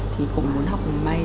thì cũng muốn học may